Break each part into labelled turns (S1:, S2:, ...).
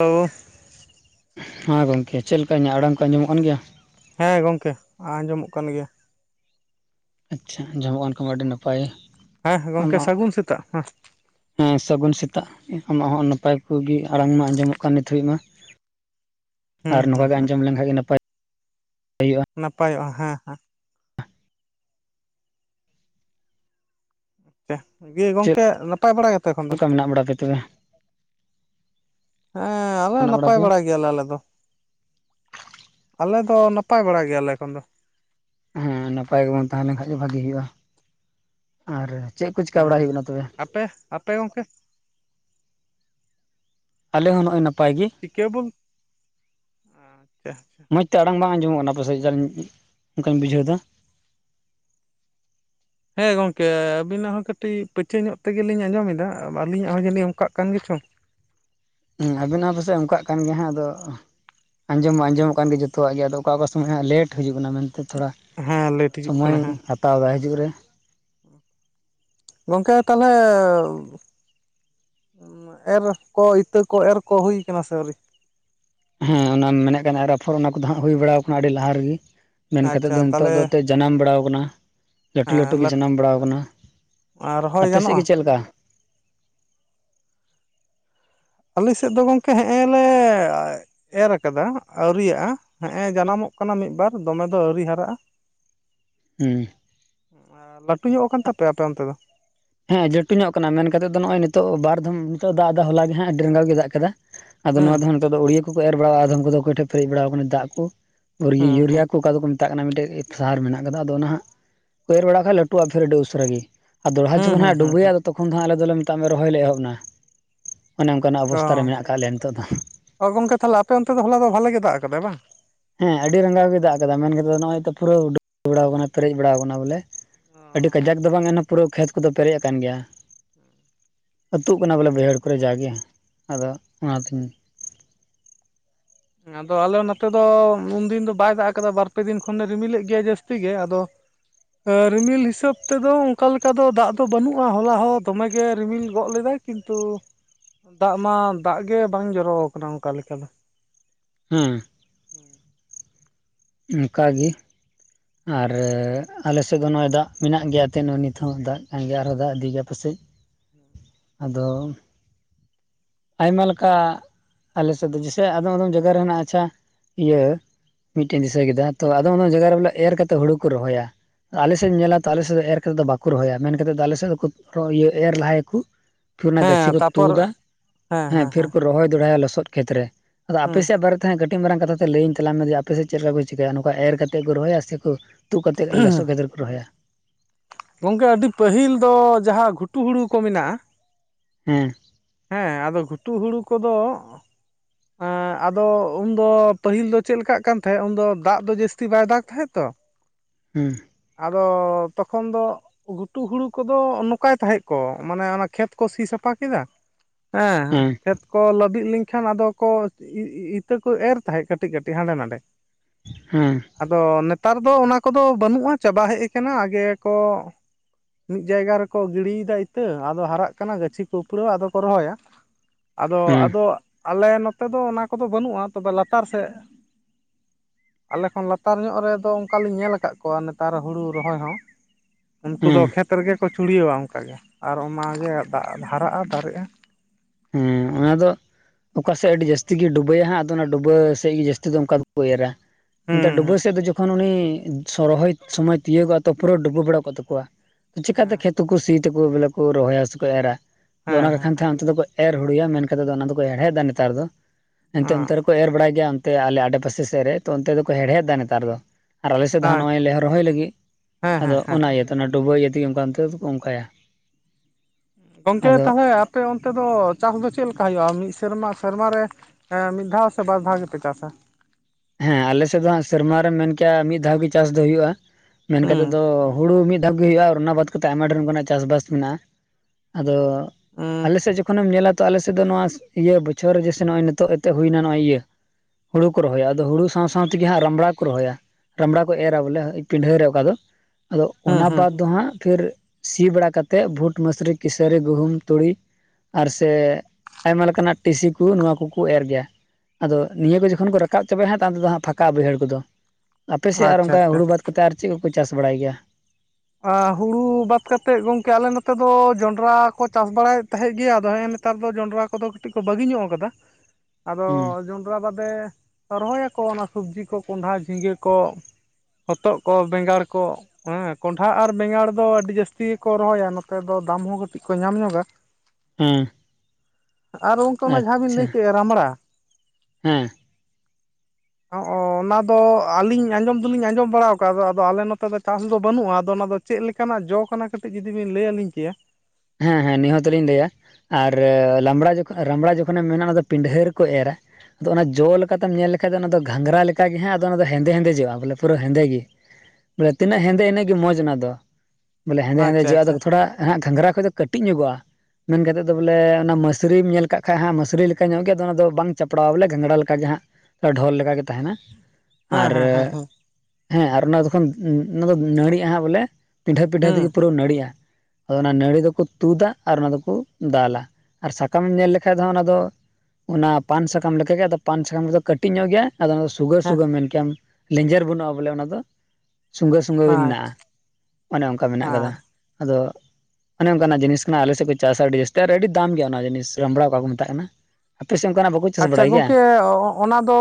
S1: ᱳᱜ
S2: ᱦᱟᱸ ᱜᱚᱝᱠᱮ ᱪᱮᱫ ᱞᱮᱠᱟ ᱤᱧᱟᱹᱜ ᱟᱲᱟᱝ ᱠᱚ ᱟᱸᱡᱚᱢᱚᱜ ᱠᱟᱱ ᱜᱮᱭᱟ
S1: ᱦᱮᱸ ᱜᱚᱝᱠᱮ ᱟᱸᱡᱚᱢᱚᱜ ᱠᱟᱱ ᱜᱮᱭᱟ
S2: ᱟᱪᱪᱷᱟ ᱡᱚᱢᱚᱜ ᱠᱟᱱ ᱠᱷᱟᱡ ᱢᱟ ᱟᱹᱰᱤ ᱱᱟᱯᱟᱭ
S1: ᱦᱮᱸ ᱜᱚᱝᱠᱮ
S2: ᱟᱢᱟᱜ
S1: ᱥᱟᱹᱜᱩᱱ ᱥᱮᱛᱟᱜ ᱦᱮᱸ
S2: ᱦᱮᱸ ᱥᱟᱹᱜᱩᱱ ᱥᱮᱛᱟᱜ ᱟᱢᱟᱜ ᱦᱚᱸ ᱱᱟᱯᱟᱭ ᱠᱩᱜᱤ ᱟᱲᱟᱝ ᱢᱟ ᱟᱸᱡᱚᱢᱚᱜ ᱠᱟᱱ ᱱᱤᱛ ᱦᱟᱹᱵᱤᱡ ᱢᱟ ᱟᱨ
S1: ᱦᱩᱸ ᱦᱩᱸ
S2: ᱱᱚᱠᱟ ᱜᱮ
S1: ᱦᱩᱸ
S2: ᱟᱸᱡᱚᱢ ᱞᱮᱱᱠᱷᱟᱡ ᱜᱮ ᱱᱟᱯᱟᱭ ᱦᱩᱭᱩᱜᱼᱟ
S1: ᱱᱟᱯᱟᱭᱚᱜᱼᱟ ᱦᱮᱸ ᱦᱮᱸ ᱟᱪᱪᱷᱟ ᱜᱤᱭᱮ ᱜᱚᱝᱠᱮ ᱱᱟᱯᱟᱭ ᱵᱟᱲᱟ ᱜᱮᱛ
S2: ᱪᱮᱞᱠᱟ ᱢᱮᱱᱟᱜ ᱵᱟᱲᱟ ᱯᱮ ᱛᱚᱵᱮ
S1: ᱮᱸ ᱟᱞᱮ ᱦᱚᱸ
S2: ᱢᱮᱱᱟᱜ
S1: ᱱᱟᱯᱟᱭ
S2: ᱯᱮᱭᱟ
S1: ᱵᱟᱲᱟ ᱜᱮᱭᱟᱞᱮ ᱟᱞᱮ ᱫᱚ ᱟᱞᱮ ᱫᱚ ᱱᱟᱯᱟᱭ ᱵᱟᱲᱟ ᱜᱮᱭᱟᱞᱮ ᱮᱠᱷᱚᱱ ᱫᱚ
S2: ᱦᱮᱸ ᱱᱟᱯᱟᱭ ᱜᱮᱵᱚᱱ ᱛᱟᱦᱮᱸ ᱞᱮᱱ ᱠᱷᱟᱡ ᱜᱮ ᱵᱷᱟᱹᱜᱤ ᱦᱩᱭᱩᱜᱼᱟ ᱟᱨ ᱪᱮᱜ ᱠᱚ ᱪᱮᱠᱟ ᱵᱟᱲᱟ ᱦᱩᱭᱩᱜ ᱠᱟᱱᱟ ᱛᱚᱵᱮ
S1: ᱯᱮᱜ ᱟᱯᱮ ᱜᱚᱝᱠᱮ
S2: ᱟᱞᱮ ᱦᱚᱸ ᱱᱚᱜᱼᱚᱭ ᱱᱟᱯᱟᱭ ᱜᱮ
S1: ᱪᱤᱠᱟᱹᱵᱚᱞ
S2: ᱢᱚᱡᱽᱛᱮ ᱟᱲᱟᱝ ᱵᱟᱝ ᱟᱸᱡᱚᱢᱚᱜ ᱠᱟᱱᱟ ᱟᱯᱮᱥᱮᱡ ᱪᱟᱧ ᱚᱝᱠᱟᱧ ᱵᱩᱡᱷᱟᱹᱣ ᱫᱟ
S1: ᱦᱮᱸ ᱜᱚᱝᱠᱮ ᱟᱹᱵᱤᱱᱟᱜ ᱦᱚᱸ ᱠᱟᱹᱴᱤᱡ ᱯᱟᱹᱪᱟᱹ ᱧᱚᱜ ᱛᱮᱜᱮᱞᱤᱧ ᱟᱸᱡᱚᱢ ᱮᱫᱟ ᱟᱹᱞᱤᱧᱟᱜ ᱦᱚᱸ ᱡᱟᱹᱱᱤᱡ ᱚᱝᱠᱟᱜ ᱠᱟᱱ ᱜᱮ ᱪᱚᱝ
S2: ᱦᱩᱸ ᱟᱵᱮᱱᱟᱜ ᱯᱟᱥᱮᱡ ᱚᱝᱠᱟᱜ ᱠᱟᱱ ᱜᱮᱭᱟ ᱦᱟᱸᱜ ᱟᱫᱚ ᱟᱸᱡᱚᱢ ᱢᱟ ᱟᱸᱡᱚᱢᱚᱜ ᱠᱟᱱ ᱜᱮ ᱡᱚᱛᱚᱣᱟᱜ ᱜᱮ ᱟᱫᱚ ᱚᱠᱟ ᱚᱠᱟ ᱥᱚᱢᱚᱭ ᱦᱟᱸᱜ ᱞᱮᱴ ᱦᱤᱡᱩᱜ ᱠᱟᱱᱟ ᱢᱮᱱ ᱛᱷᱚᱲᱟ
S1: ᱦᱮᱸ ᱞᱮᱴ ᱦᱤᱡᱩᱜ
S2: ᱥᱚᱢᱚᱭ
S1: ᱠᱟᱱᱟ ᱦᱮᱸ
S2: ᱦᱟᱛᱟᱣ ᱫᱟᱭ ᱦᱤᱡᱩᱜ ᱨᱮ
S1: ᱜᱚᱝᱠᱮ ᱛᱟᱦᱚᱞᱮ ᱮᱨ ᱠᱚ ᱤᱛᱟᱹ ᱠᱚ ᱮᱨ ᱠᱚ ᱦᱩᱭ ᱠᱟᱱᱟ ᱥᱮ ᱟᱹᱣᱨᱤ
S2: ᱦᱮᱸ ᱚᱱᱟ ᱢᱮᱱᱮᱜ ᱠᱟᱱ ᱟᱨᱟᱜ ᱯᱷᱚᱨ ᱚᱱᱟ ᱠᱚᱫᱚ ᱦᱟᱸᱜ ᱦᱩᱭ ᱵᱟᱲᱟᱣ ᱠᱟᱱᱟ ᱟᱹᱰᱤ ᱞᱟᱦᱟ ᱨᱤᱜᱤ ᱢᱮᱱ ᱠᱟᱛᱮᱫ
S1: ᱟᱪᱪᱷᱟ
S2: ᱫᱚ ᱱᱤᱛᱚᱜ
S1: ᱛᱟᱦᱚᱞᱮ
S2: ᱫᱚ ᱛᱮᱡ ᱡᱟᱱᱟᱢ ᱵᱟᱲᱟᱣ ᱠᱟᱱᱟ ᱞᱟᱹᱴᱩ ᱞᱟᱹᱴᱩ
S1: ᱦᱮᱸ
S2: ᱜᱮ ᱡᱟᱱᱟᱢ ᱵᱟᱲᱟᱣ ᱠᱟᱱᱟ
S1: ᱨᱚᱦᱚᱭ
S2: ᱟᱯᱮ
S1: ᱜᱟᱱᱚᱜᱼᱟ
S2: ᱥᱮᱜ ᱜᱮ ᱪᱮᱫ ᱞᱮᱠᱟ
S1: ᱟᱞᱮ ᱥᱮᱫ ᱫᱚ ᱜᱚᱝᱠᱮ ᱦᱮᱸᱜᱼᱮ ᱞᱮ ᱮᱨ ᱠᱟᱫᱟ ᱟᱣᱨᱤᱭᱟᱜᱼᱟ ᱦᱮᱸᱜ ᱮ ᱡᱟᱱᱟᱢᱚᱜ ᱠᱟᱱᱟ ᱢᱤᱫᱵᱟᱨ ᱫᱚᱢᱮ ᱫᱚ ᱟᱣᱨᱤ ᱦᱟᱨᱟᱜᱼᱟ [inaudible]
S2: ᱦᱩᱸ
S1: ᱞᱟᱹᱴᱩ ᱧᱚᱜ ᱠᱟᱱ ᱛᱟᱯᱮᱭᱟ ᱟᱯᱮ ᱚᱱᱛᱮ ᱫᱚ
S2: ᱦᱮᱸ ᱞᱟᱹᱴᱩ ᱧᱚᱜ ᱠᱟᱱᱟ ᱢᱮᱱ ᱠᱟᱛᱮᱫ ᱫᱚ ᱱᱚᱜᱼᱚᱭ ᱱᱤᱛᱚᱜ ᱵᱟᱨ ᱫᱷᱚᱢ ᱱᱤᱛᱚᱜ ᱫᱟᱜᱫᱟ ᱦᱚᱞᱟ ᱜᱮ ᱦᱟᱸᱜ ᱟᱹᱰᱤ ᱨᱟᱸᱜᱟᱣ ᱜᱮ ᱫᱟᱜ ᱠᱮᱫᱟ ᱟᱫᱚ
S1: ᱦᱮᱸ
S2: ᱱᱚᱣᱟ ᱫᱚ ᱱᱤᱛᱚᱜ ᱫᱚ ᱩᱲᱤᱭᱟᱹ ᱠᱚᱠᱚ ᱮᱨ ᱵᱟᱲᱟᱜᱼᱟ ᱟᱫᱚ ᱚᱫᱷᱟᱱᱠᱚᱫᱚ ᱚᱠᱚᱭ ᱴᱷᱮᱠ ᱯᱮᱨᱮᱡ ᱵᱟᱲᱟᱣ ᱠᱟᱱᱟ ᱫᱟᱜ ᱠᱚ
S1: ᱦᱮᱸ ᱦᱮᱸ
S2: ᱤᱭᱩᱨᱤᱭᱟ ᱠᱚ ᱚᱠᱟ ᱫᱚ ᱠᱚ ᱢᱮᱛᱟᱜ ᱠᱟᱱᱟ ᱢᱮᱫᱴᱮᱡ ᱥᱟᱨ ᱢᱮᱱᱟᱜ ᱠᱟᱫᱟ ᱟᱫᱚ ᱚᱱᱟ ᱦᱟᱸᱜ ᱠᱚ ᱮᱨ ᱵᱟᱲᱟᱭᱟᱜ ᱠᱷᱟᱡ ᱞᱟᱹᱴᱩᱜᱼᱟ ᱯᱷᱤᱨ ᱟᱹᱰᱤ ᱩᱥᱟᱹᱨᱟ ᱜᱮ ᱟᱫᱚ ᱠᱤᱪᱷᱩ
S1: ᱦᱮᱸ
S2: ᱠᱷᱚᱱ
S1: ᱦᱮᱸ
S2: ᱦᱟᱸᱜ
S1: ᱦᱮᱸ
S2: ᱰᱩᱰᱟᱹᱭᱟ
S1: ᱦᱮᱸ
S2: ᱛᱚᱠᱷᱚᱱ ᱫᱚ ᱦᱟᱸᱜ ᱟᱞᱮ ᱫᱚᱞᱮ ᱢᱮᱛᱟᱜ ᱢᱮ ᱨᱚᱦᱚᱭ ᱞᱮ ᱮᱦᱚᱵ ᱱᱟ ᱚᱱᱮ ᱚᱱᱠᱟᱱᱟᱜ ᱚᱵᱚᱥᱛᱟ ᱨᱮ ᱢᱮᱱᱟᱜ ᱟᱠᱟᱜ ᱞᱮᱭᱟ ᱱᱤᱛᱚᱜ ᱫᱚ
S1: ᱚ ᱜᱚᱝᱠᱮ ᱛᱟᱦᱚᱞᱮ ᱟᱯᱮ ᱚᱱᱛᱮ ᱫᱚ ᱦᱚᱞᱟ ᱫᱚ ᱵᱷᱟᱞᱮ ᱫᱟᱜ ᱠᱟᱫᱟᱭ ᱵᱟᱝ
S2: ᱦᱮᱸ ᱟᱹᱰᱤ ᱨᱟᱸᱜᱟᱣ ᱜᱮ ᱫᱟᱜ ᱠᱟᱫᱟ ᱢᱮᱱ ᱠᱟᱛᱮ ᱱᱚᱜᱼᱚᱭ ᱛᱚ ᱯᱩᱨᱟᱹ ᱰᱩ ᱵᱟᱲᱟᱣ ᱠᱟᱱᱟ ᱯᱮᱨᱮᱡ ᱵᱟᱲᱟᱣ ᱠᱟᱱᱟ ᱵᱚᱞᱮ ᱟᱹᱰᱤ ᱠᱟᱡᱟᱠ ᱫᱚ ᱵᱟᱝᱥ ᱮᱱᱦᱚ ᱯᱩᱲᱟᱹ ᱠᱷᱮᱛ ᱠᱚᱫᱚ ᱯᱮᱨᱮᱡ ᱟᱠᱟᱱ ᱜᱮᱭᱟ ᱟᱹᱛᱩᱜ ᱠᱟᱱᱟ ᱵᱚᱞᱮ ᱵᱟᱹᱭᱦᱟᱹᱲ ᱠᱚᱨᱮ ᱡᱟᱜᱮ ᱟᱫᱚ ᱚᱱᱟᱛᱤᱧ
S1: ᱟᱫᱚ ᱟᱞᱮ ᱱᱚᱛᱮ ᱫᱚ ᱩᱱᱫᱤᱱ ᱫᱚ ᱵᱟᱭ ᱫᱟᱜ ᱟᱠᱟᱫᱟ ᱵᱟᱨᱯᱮ ᱫᱤᱱ ᱠᱷᱚᱱᱮ ᱨᱤᱢᱤᱞᱮᱫ ᱜᱮᱭᱟ ᱡᱟᱹᱥᱛᱤ ᱜᱮ ᱟᱫᱚ ᱨᱤᱢᱤᱞ ᱦᱤᱥᱟᱹᱵ ᱛᱮᱫᱚ ᱚᱱᱠᱟ ᱞᱮᱠᱟ ᱫᱚ ᱫᱟᱜ ᱫᱚ ᱵᱟᱹᱱᱩᱜᱼᱟ ᱦᱚᱞᱟ ᱦᱚᱸ ᱫᱚᱢᱮ ᱜᱮ ᱨᱤᱢᱤᱞ ᱜᱚᱜ ᱞᱮᱫᱟᱭ ᱠᱤᱱᱛᱩ ᱫᱟᱜ ᱢᱟ ᱫᱟᱜ ᱜᱮ ᱵᱟᱝ ᱡᱚᱨᱚ ᱟᱠᱟᱱᱟ ᱚᱱᱠᱟ ᱞᱮᱠᱟ ᱫᱚ
S2: ᱦᱩᱸ
S1: ᱦᱮᱸ
S2: ᱚᱱᱠᱟ ᱜᱤ ᱟᱨ ᱟᱞᱮᱥᱮᱫ ᱫᱚ ᱱᱚᱜᱼᱚᱭ ᱫᱟᱜ ᱢᱮᱱᱟᱜ ᱜᱮᱭᱟ ᱟᱛᱮᱜ ᱱᱤᱛ ᱦᱚᱸ ᱫᱟᱜ ᱠᱟᱱ ᱜᱮᱭᱟ ᱟᱨᱦᱚᱸ ᱫᱟᱜ ᱤᱫᱤᱭ ᱜᱮᱭᱟ ᱯᱟᱥᱮᱡ
S1: [inaudible]
S2: ᱟᱫᱚ ᱟᱭᱢᱟ ᱞᱮᱠᱟ ᱟᱞᱮᱥᱮᱫ ᱫᱚ ᱡᱮᱥᱮ ᱟᱫᱚᱢ ᱟᱫᱚᱢ ᱡᱟᱭᱜᱟ ᱦᱮᱱᱟᱜ ᱟᱪᱪᱷᱟ ᱤᱭᱟᱹ ᱢᱤᱫᱴᱮᱱ ᱫᱤᱥᱟᱹ ᱠᱮᱫᱟ ᱛᱚ ᱟᱫᱚ ᱚᱱᱟ ᱡᱟᱭᱜᱟ ᱨᱮ ᱵᱚᱞᱮ ᱮᱨ ᱠᱟᱛᱮᱫ ᱦᱩᱲᱩ ᱠᱚ ᱨᱚᱦᱚᱭᱟ ᱟᱞᱮᱥᱮᱫ ᱧᱮᱞᱟ ᱛᱚ ᱟᱞᱮᱥᱮᱫ ᱫᱚ ᱮᱨ ᱠᱟᱛᱮᱫ ᱫᱚ ᱵᱟᱠᱚ ᱨᱚᱦᱚᱭᱟ ᱢᱮᱱ ᱠᱟᱛᱮᱫ ᱫᱚ ᱟᱞᱮᱥᱮᱫ ᱫᱚ ᱮᱨ ᱞᱟᱦᱟᱭᱟᱠᱚ ᱯᱷᱤᱨ ᱚᱱᱟ
S1: ᱦᱮᱸ
S2: ᱜᱟᱪᱷᱤ ᱠᱚ
S1: ᱛᱟᱯᱚᱨ
S2: ᱛᱩᱫᱟ ᱦᱮᱸ ᱯᱷᱤᱨ ᱠᱚ ᱨᱚᱦᱚᱭ ᱫᱚᱲᱦᱟᱭᱟ ᱞᱚᱥᱚᱫ ᱠᱷᱮᱛ ᱨᱮ ᱟᱫᱚ
S1: ᱦᱩᱸ
S2: ᱟᱯᱮᱥᱮᱜ ᱵᱟᱨᱮ ᱛᱟᱦᱮᱸ ᱠᱟᱹᱴᱤᱡ ᱢᱟᱨᱟᱝ ᱠᱟᱛᱷᱟ ᱛᱮ ᱞᱟ. ᱭ ᱟ. ᱧ ᱛᱟᱞᱟᱝ ᱢᱮ ᱡᱮ ᱟᱯᱮᱥᱮ ᱪᱮᱫ ᱞᱮᱠᱟ ᱠᱚ ᱪᱤᱠᱟᱹᱭᱟ ᱱᱚᱝᱠᱟ ᱮᱨ ᱠᱟᱛᱮ ᱠᱚ ᱨᱚᱦᱚᱭᱟ ᱥᱮᱠᱚ ᱛᱩᱫ ᱠᱟᱛᱮᱫ ᱞᱚᱥᱚᱫ ᱠᱟᱛᱮᱫ ᱨᱮᱠᱚ ᱨᱚᱦᱚᱭᱟ
S1: ᱜᱚᱝᱠᱮ ᱟᱹᱰᱤ ᱯᱟᱹᱦᱤᱞ ᱫᱚ ᱡᱟᱦᱟᱸ ᱜᱷᱩᱴᱩ ᱦᱩᱲᱩ ᱠᱚ ᱢᱮᱱᱟᱜᱼᱟ
S2: ᱦᱩᱸ
S1: ᱦᱮᱸ ᱟᱫᱚ ᱜᱷᱩᱴᱩ ᱦᱩᱲᱩ ᱠᱚᱫᱚ ᱟᱫᱚ ᱩᱱᱫᱚ ᱯᱟᱹᱦᱤᱞ ᱫᱚ ᱪᱮᱫ ᱞᱮᱠᱟᱜ ᱠᱟᱱ ᱛᱟᱦᱮᱫ ᱩᱱᱫᱚ ᱫᱟᱜ ᱫᱚ ᱡᱟᱹᱥᱛᱤ ᱵᱟᱭ ᱫᱟᱜ ᱛᱟᱦᱮᱫ ᱛᱚ [inaudible]
S2: ᱦᱩᱸ
S1: ᱟᱫᱚ ᱛᱚᱠᱷᱚᱱ ᱫᱚ ᱜᱷᱩᱴᱩ ᱦᱩᱲᱩ ᱠᱚᱫᱚ ᱱᱚᱝᱠᱟᱭ ᱛᱟᱦᱮᱫ ᱠᱚ ᱢᱟᱱᱮ ᱚᱱᱟ ᱠᱷᱮᱛ ᱠᱚ ᱥᱤ ᱥᱟᱯᱷᱟ ᱠᱮᱫᱟ ᱦᱮᱸ ᱠᱷᱮᱛ ᱠᱚ ᱞᱟᱹᱵᱤᱫ ᱞᱮᱱᱠᱷᱟᱱ ᱟᱫᱚ ᱠᱚ ᱤ ᱤᱛᱟᱹ ᱠᱚ ᱮᱨ ᱛᱟᱦᱮᱫ ᱠᱟᱹᱴᱤᱡ ᱠᱟᱹᱴᱤᱡ ᱦᱟᱸᱰᱮ ᱱᱟᱰᱮ
S2: ᱦᱩᱸ
S1: ᱟᱫᱚ ᱱᱮᱛᱟᱨ ᱫᱚ ᱚᱱᱟ ᱠᱚᱫᱚ ᱵᱟᱹᱱᱩᱜᱼᱟ ᱪᱟᱵᱟ ᱦᱮᱡ ᱠᱟᱱᱟ ᱟᱜᱮ ᱠᱚ ᱢᱤᱫ ᱡᱟᱭᱜᱟ ᱨᱮᱠᱚ ᱜᱤᱲᱤᱭᱮᱫᱟ ᱤᱛᱟᱹ ᱟᱫᱚ ᱦᱟᱨᱟᱜ ᱠᱟᱱᱟ ᱜᱟᱹᱪᱷᱤ ᱠᱚ ᱩᱠᱷᱲᱟᱹᱣᱟ ᱟᱫᱚ ᱠᱚ ᱨᱚᱦᱚᱭᱟ ᱟᱫᱚ
S2: ᱦᱮᱸ
S1: ᱟᱫᱚ ᱟᱞᱮ ᱱᱚᱛᱮ ᱫᱚ ᱚᱱᱟ ᱠᱚᱫᱚ ᱵᱟᱹᱱᱩᱜᱼᱟ ᱛᱚᱵᱮ ᱞᱟᱛᱟᱨ ᱥᱮᱫ ᱟᱞᱮ ᱠᱷᱚᱱ ᱞᱟᱛᱟᱨ ᱧᱚᱜ ᱨᱮᱫᱚ ᱚᱱᱠᱟ ᱞᱤᱧ ᱧᱮᱞ ᱟᱠᱟᱫ ᱠᱚᱣᱟ ᱱᱮᱛᱟᱨ ᱦᱩᱲᱩ ᱨᱚᱦᱚᱭ ᱦᱚᱸ ᱩᱱᱠᱩ ᱫᱚ
S2: ᱦᱮᱸ
S1: ᱠᱷᱮᱛ ᱨᱮᱜᱮ ᱠᱚ ᱪᱩᱲᱤᱭᱟ. ᱣᱟ ᱚᱱᱠᱟᱜᱮ ᱟᱨ ᱚᱱᱟ ᱜᱮ ᱫᱟᱜ ᱦᱟᱨᱟᱜᱼᱟ ᱫᱟᱨᱮᱜᱼᱟ
S2: ᱦᱩᱸ ᱚᱱᱟ ᱫᱚ ᱚᱠᱟ ᱥᱮᱡ ᱟᱹᱰᱤ ᱡᱟᱹᱥᱛᱤ ᱜᱮ ᱰᱩᱵᱟᱹᱭᱟ ᱦᱟᱸᱜ ᱟᱫᱚ ᱚᱱᱟ ᱰᱩᱵᱟᱹ ᱥᱮᱡ ᱜᱮ ᱡᱟᱹᱥᱛᱤ ᱫᱚ ᱚᱱᱠᱟ ᱫᱚᱠᱚ ᱮᱨᱟ ᱮᱱᱛᱮ
S1: ᱦᱩᱸ ᱦᱩᱸ
S2: ᱰᱩᱵᱟᱹ ᱥᱮᱫ ᱫᱚ ᱡᱚᱠᱷᱚᱱ ᱩᱱᱤ ᱨᱚᱦᱚᱭ ᱥᱚᱢᱚᱭ ᱛᱤᱭᱳᱜᱚᱜᱼᱟ ᱛᱚ ᱯᱩᱨᱟᱹ ᱰᱩᱵᱟᱹ ᱵᱟᱲᱟᱣ ᱠᱚᱜ ᱛᱟᱠᱚᱣᱟ ᱪᱮᱠᱟᱛᱮ
S1: ᱦᱮᱸ
S2: ᱠᱷᱮᱛ ᱠᱚ ᱥᱤ ᱛᱮᱠᱚ ᱵᱚᱞᱮ ᱠᱚ ᱨᱚᱦᱚᱭᱟ ᱥᱮᱠᱚ ᱮᱨᱟ ᱟᱫᱚ
S1: ᱦᱮᱸ ᱦᱮᱸ
S2: ᱚᱱᱟᱠᱷᱟᱱ ᱛᱮ ᱚᱱᱛᱮ ᱫᱚᱠᱚ ᱮᱨ ᱦᱩᱲᱩᱭᱟ ᱢᱮᱱᱠᱟᱛᱮ ᱫᱚ ᱚᱱᱟ ᱫᱚᱠᱚ ᱮᱲᱦᱮᱫᱟ ᱱᱮᱛᱟᱨ ᱫᱚ ᱮᱱᱛᱮ ᱚᱱᱛᱮ ᱨᱮ ᱠᱚ ᱮᱨ ᱵᱟᱲᱟᱭ ᱜᱮᱭᱟ ᱚᱱᱛᱮ ᱟᱞᱮ ᱟᱰᱮ ᱯᱟᱥᱮ ᱥᱮᱫ ᱨᱮ ᱛᱚ ᱚᱱᱛᱮ ᱫᱚᱠᱚ ᱦᱮᱲᱦᱮᱫᱟ ᱱᱮᱛᱟᱨ ᱫᱚ ᱟᱨ ᱟᱞᱮᱥᱮᱫ ᱫᱚᱜ
S1: ᱟᱪ
S2: ᱱᱚᱜᱚᱭ ᱞᱮ ᱨᱚᱦᱚᱭ ᱞᱟᱹᱜᱤᱫ
S1: ᱦᱮᱸ
S2: ᱟᱫᱚ
S1: ᱦᱮᱸ ᱦᱮᱸ
S2: ᱚᱱᱟ ᱤᱭᱟᱹᱛᱮ ᱚᱱᱟ ᱰᱩᱵᱟᱹ ᱤᱭᱟᱹ ᱛᱮᱜᱮ ᱚᱱᱠᱟ ᱚᱱᱛᱮ ᱫᱚᱠᱚ ᱚᱱᱠᱟᱭᱟ
S1: ᱜᱚᱝᱠᱮ
S2: ᱟᱫᱚ
S1: ᱛᱟᱦᱚᱞᱮ ᱟᱯᱮ ᱚᱱᱛᱮ ᱫᱚ ᱪᱟᱥ ᱫᱚ ᱪᱮᱫ ᱞᱮᱠᱟ ᱦᱩᱭᱩᱜᱼᱟ ᱢᱤᱫ ᱥᱮᱨᱢᱟ ᱥᱮᱨᱢᱟ ᱨᱮ ᱦᱮᱸ ᱢᱤᱫ ᱫᱷᱟᱣ ᱥᱮ ᱵᱟᱨ ᱫᱷᱟᱣ ᱜᱤᱯᱮ ᱪᱟᱥᱟ
S2: ᱦᱮᱸ ᱟᱞᱮᱥᱮᱫ ᱫᱚ ᱦᱮ ᱥᱮᱨᱢᱟ ᱨᱮ ᱢᱮᱱᱠᱮᱭᱟ ᱢᱤᱫ ᱫᱷᱟᱣ ᱜᱮ ᱪᱟᱥ ᱫᱚ ᱦᱩᱭᱩᱜᱼᱟ ᱢᱮᱱᱠᱟᱛᱮ
S1: ᱦᱩᱸ
S2: ᱫᱚ ᱦᱩᱲᱩ ᱢᱤᱫ ᱫᱷᱟᱣ ᱜᱮ ᱦᱳᱭᱳᱜᱼᱟ ᱟᱨ ᱚᱱᱟ ᱵᱟᱫ ᱠᱟᱛᱮᱜ ᱟᱭᱢᱟ ᱰᱷᱮᱨ ᱚᱱᱠᱟᱱᱟᱜ ᱪᱟᱥᱵᱟᱥ ᱢᱮᱱᱟᱜᱼᱟ ᱟᱫᱚ
S1: ᱚ
S2: ᱟᱞᱮᱥᱮᱫ ᱡᱚᱠᱷᱚᱱᱮᱢ ᱧᱮᱞᱟ ᱛᱚ ᱟᱞᱮᱥᱮᱫ ᱫᱚ ᱱᱚᱣᱟ ᱤᱭᱟᱹ ᱵᱚᱪᱷᱚᱨ ᱡᱮᱥᱮ ᱱᱚᱜᱼᱚᱭ ᱱᱤᱛᱚᱜ ᱮᱛᱮ ᱦᱩᱭᱮᱱᱟ ᱱᱚᱜᱼᱚᱭ ᱤᱭᱟᱹ ᱦᱩᱲᱩ ᱠᱚ ᱨᱚᱦᱚᱭᱼᱟ ᱟᱫᱚ ᱦᱩᱲᱩ ᱥᱟᱶ ᱥᱟᱶᱛᱮᱜᱮ ᱦᱟᱸᱜ ᱨᱟᱢᱵᱽᱲᱟ ᱠᱚ ᱨᱚᱦᱚᱭᱟ ᱨᱟᱢᱲᱟ ᱠᱚ ᱮᱨᱟ ᱵᱚᱞᱮ ᱯᱤᱸᱰᱷᱟᱹ ᱨᱮ ᱚᱠᱟ ᱫᱚ ᱟᱫᱚ
S1: ᱦᱩᱸ
S2: ᱚᱱᱟ
S1: ᱦᱩᱸ
S2: ᱵᱟᱫ ᱫᱚ ᱦᱟᱸᱜ ᱯᱷᱤᱨ ᱥᱤ ᱵᱟᱲᱟ ᱠᱟᱛᱮᱫ ᱵᱷᱩᱴ ᱢᱟᱥᱨᱤ ᱠᱮᱥᱟᱹᱨᱤ ᱜᱩᱦᱩᱢ ᱛᱩᱲᱤ ᱟᱨ ᱥᱮ ᱟᱭᱢᱟ ᱞᱮᱠᱟᱱᱟᱜ ᱴᱤᱥᱤ ᱠᱚ ᱱᱚᱣᱟ ᱠᱚᱠᱚ ᱮᱨ ᱜᱮᱭᱟ ᱟᱫᱚ ᱱᱤᱭᱟᱹ ᱠᱚ ᱡᱚᱠᱷᱚᱱ ᱠᱚ ᱨᱟᱠᱟᱵ ᱪᱟᱵᱟᱭ ᱦᱟᱸᱜ ᱛᱟᱭᱚᱢ ᱛᱮᱫᱚ ᱦᱟᱸᱜ ᱯᱷᱟᱠᱟ ᱵᱟᱹᱭᱦᱟᱹᱲ ᱠᱚᱫᱚ ᱟᱯᱮ ᱥᱮᱫ ᱟᱨ
S1: ᱟᱪᱪᱷᱟ
S2: ᱚᱱᱠᱟ
S1: ᱟᱪᱪᱷᱟ
S2: ᱦᱩᱲᱩ ᱵᱟᱫ ᱠᱟᱛᱮᱫ ᱟᱨ ᱪᱮᱫ ᱠᱚᱠᱚ ᱪᱟᱥ ᱵᱟᱲᱟᱭ ᱜᱮᱭᱟ
S1: ᱟ ᱦᱩᱲᱩ ᱵᱟᱫ ᱠᱟᱛᱮᱫ ᱜᱚᱝᱠᱮ ᱟᱞᱮ ᱱᱚᱛᱮ ᱫᱚ ᱡᱚᱱᱰᱨᱟ ᱠᱚ ᱪᱟᱥ ᱵᱟᱲᱟᱭ ᱮᱫ ᱛᱟᱦᱮᱸᱫ ᱜᱮᱭᱟ ᱟᱫᱚ ᱦᱮᱸ ᱱᱮᱛ ᱛᱟᱨ ᱫᱚ ᱡᱚᱸᱱᱰᱨᱟ ᱠᱚᱫᱚ ᱠᱟᱹᱴᱤᱡ ᱠᱚ ᱵᱟᱹᱜᱤ ᱧᱚᱜ ᱠᱟᱫᱟ ᱟᱫᱚ
S2: ᱦᱩᱸ
S1: ᱡᱚᱸᱱᱰᱨᱟ ᱵᱟᱫᱮ ᱨᱚᱦᱚᱭᱟᱠᱚ ᱚᱱᱟ ᱥᱚᱵᱡᱤ ᱠᱚ ᱠᱚᱸᱰᱷᱟ ᱡᱷᱤᱸᱜᱟᱹ ᱠᱚ ᱦᱚᱛᱚᱫ ᱠᱚ ᱵᱮᱸᱜᱟᱲ ᱠᱚ ᱦᱮᱸ ᱠᱚᱸᱰᱷᱟ ᱟᱨ ᱵᱮᱸᱜᱟᱲ ᱫᱚ ᱟᱹᱰᱤ ᱡᱟᱹᱥᱛᱤ ᱜᱮᱠᱚ ᱨᱚᱦᱚᱭᱟ ᱱᱚᱛᱮ ᱫᱚ ᱫᱟᱢ ᱦᱚᱸ ᱠᱟᱹᱴᱤᱡ ᱠᱚ ᱧᱟᱢ ᱧᱚᱜᱟ
S2: ᱦᱮᱸ
S1: ᱟᱨ ᱚᱱᱠᱟ ᱚᱱᱟ ᱡᱟᱦᱟᱸ ᱵᱤᱱ
S2: ᱟᱪᱪᱷᱟ
S1: ᱞᱟᱹᱭ ᱠᱮᱜ ᱨᱟᱢᱲᱟ
S2: ᱦᱮᱸ
S1: ᱦᱚᱸ ᱚ ᱚᱱᱟ ᱫᱚ ᱟᱹᱞᱤᱧ ᱟᱸᱡᱚᱢ ᱫᱚᱞᱤᱧ ᱟᱸᱡᱚᱢ ᱵᱟᱲᱟ ᱟᱠᱟᱫᱟ ᱟᱫᱚ ᱟᱫᱚ ᱟᱞᱮ ᱱᱚᱛᱮ ᱫᱚ ᱪᱟᱥ ᱫᱚ ᱵᱟᱹᱱᱩᱜᱼᱟ ᱟᱫᱚ ᱚᱱᱟ ᱫᱚ ᱪᱮᱫ ᱞᱮᱠᱟᱱᱟᱜ ᱡᱚ ᱠᱟᱱᱟ ᱠᱟᱹᱴᱤᱡ ᱡᱩᱫᱤ ᱵᱤᱱ ᱞᱟᱹᱭ ᱟᱹᱞᱤᱧ ᱠᱮᱭᱟ
S2: ᱦᱮᱸ ᱦᱮᱸ ᱱᱤᱭᱟᱹ ᱦᱚᱸ ᱛᱟᱦᱚᱞᱤᱧ ᱞᱟᱹᱭᱟ ᱟᱨ ᱞᱟᱢᱲᱟ ᱡᱚᱠᱷᱚᱱ ᱨᱟᱢᱲᱟ ᱡᱚᱠᱷᱚᱱ ᱮᱢ ᱢᱮᱱᱟ ᱚᱱᱟ ᱫᱚ ᱯᱤᱸᱰᱷᱟᱹ ᱨᱮᱠᱚ ᱮᱨᱟ ᱟᱫᱚ ᱚᱱᱟ ᱡᱚ ᱞᱮᱠᱟ ᱛᱮᱢ ᱧᱮᱞ ᱞᱮᱠᱷᱟᱡ ᱫᱚ ᱚᱱᱟ ᱫᱚ ᱜᱷᱟᱝᱨᱟ ᱞᱮᱠᱟ ᱜᱮ ᱦᱟᱸᱜ ᱟᱫᱚ ᱚᱱᱟ ᱫᱚ ᱦᱮᱸᱫᱮ ᱦᱮᱸᱫᱮ ᱡᱚᱜᱼᱟ ᱵᱚᱞᱮ ᱯᱩᱨᱟᱹ ᱦᱮᱸᱫᱮ ᱜᱤ ᱵᱚᱞᱮ ᱛᱤᱱᱟᱹᱜ ᱦᱮᱸᱫᱮ ᱤᱱᱟᱹᱜ ᱜᱮ ᱢᱚᱸᱡᱽ ᱚᱱᱟ ᱫᱚ ᱵᱚᱞᱮ ᱦᱮᱸᱫᱮ ᱦᱮᱸᱫᱮ
S1: ᱟᱪᱪᱷᱟ
S2: ᱡᱚᱜᱼᱟ ᱟᱫᱚ
S1: ᱟᱪᱪᱷᱟ
S2: ᱛᱷᱚᱲᱟ ᱦᱟᱸᱜ ᱜᱷᱟᱜᱽᱨᱟᱸ ᱠᱷᱚᱡ ᱫᱚ ᱠᱟᱹᱴᱤᱡ ᱧᱚᱜᱚᱜ-ᱟ ᱢᱮᱱ ᱠᱟᱛᱮᱫ ᱫᱚ ᱵᱚᱞᱮ ᱚᱱᱟ ᱢᱟᱹᱥᱨᱤᱢ ᱧᱮᱞ ᱠᱟᱜ ᱠᱷᱟᱡ ᱦᱟᱸᱜ ᱢᱟᱹᱥᱨᱤ ᱞᱮᱠᱟ ᱧᱚᱜ ᱜᱮ ᱚᱱᱟ ᱫᱚ ᱵᱟᱝ ᱪᱟᱯᱲᱟᱣᱟ ᱵᱚᱞᱮ ᱜᱷᱟᱸᱜᱽᱲᱟ ᱞᱮᱠᱟ ᱜᱮ ᱦᱟᱸᱜ ᱰᱷᱚᱞ ᱞᱮᱠᱟ ᱜᱮ ᱛᱟᱦᱮᱱᱟ
S1: ᱦᱮᱸ
S2: ᱟᱨ
S1: ᱦᱮᱸ ᱦᱮᱸ ᱦᱮᱸ
S2: ᱦᱮᱸ ᱟᱨ ᱚᱱᱟ ᱡᱚᱠᱷᱚᱱ ᱫᱚ [unintelligible] ᱚᱱᱟ ᱫᱚ ᱱᱟᱹᱲᱤᱜ-ᱟ ᱦᱟᱸᱜ ᱵᱚᱞᱮ ᱯᱤᱰᱷᱟᱹ ᱯᱤᱰᱷᱟᱹ ᱛᱮᱜᱮ
S1: ᱦᱮᱸ
S2: ᱯᱩᱨᱟᱹ ᱱᱟᱹᱲᱤᱜ-ᱟ ᱟᱫᱚ ᱚᱱᱟ ᱱᱟᱹᱲᱤ ᱫᱚ ᱠᱚ ᱛᱩᱫᱟ ᱟᱨ ᱚᱱᱟ ᱫᱚᱠᱚ ᱫᱟᱞᱟ ᱟᱨ ᱥᱟᱠᱟᱢ ᱮᱢ ᱧᱮᱞ ᱞᱮᱠᱷᱟᱡ ᱫᱚ ᱦᱟᱸᱜ ᱚᱱᱟ ᱫᱚ ᱚᱱᱟ ᱯᱟᱱ ᱥᱟᱠᱟᱢ ᱞᱮᱠᱟ ᱜᱮ ᱟᱫᱚ ᱯᱟᱱ ᱥᱟᱠᱟᱢ ᱨᱮᱫᱚ ᱠᱟᱹᱴᱤᱡ ᱧᱚᱜ ᱜᱮᱭᱟ ᱟᱫᱚ ᱚᱱᱟ ᱫᱚ ᱥᱩᱜᱟᱹ ᱥᱩᱜᱟᱹ ᱢᱮᱱ ᱠᱮᱭᱟᱢ ᱞᱮᱸᱡᱮᱨ ᱵᱟᱹᱱᱩᱜᱼᱟ ᱵᱚᱞᱮ ᱚᱱᱟ ᱫᱚ ᱥᱩᱜᱟᱹ ᱥᱩᱜᱟᱹ ᱜᱮ ᱢᱮᱱᱟᱜ-ᱟ
S1: ᱟᱪᱪᱷᱟ
S2: ᱚᱱᱮ ᱚᱱᱠᱟ ᱢᱮᱱᱟᱜ ᱟᱠᱟᱫᱟ ᱟᱫᱚ ᱚᱱᱮ ᱚᱱᱠᱟᱱᱟᱜ ᱡᱤᱱᱤᱥ ᱠᱟᱱᱟ ᱟᱞᱮ ᱥᱮᱫ ᱠᱚ ᱪᱟᱥᱟ ᱟᱹᱰᱤ ᱡᱟᱹᱥᱛᱤ ᱟᱨ ᱟᱹᱰᱤ ᱫᱟᱢ ᱜᱮᱭᱟ ᱚᱱᱟ ᱡᱤᱱᱤᱥ ᱨᱟᱢᱲᱟ ᱚᱠᱟ ᱠᱚ ᱢᱮᱛᱟᱜ ᱠᱟᱱᱟ ᱟᱯᱮ ᱥᱮᱫ ᱚᱱᱠᱟᱱᱟᱜ ᱵᱟᱠᱩ
S1: ᱟᱪᱪᱷᱟ ᱜᱚᱝᱠᱮ ᱚᱱᱟ ᱫᱚ